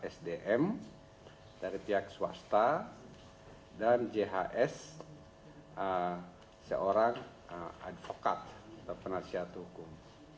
sdm dari pihak swasta dan jhs seorang advokat atau penasihat hukum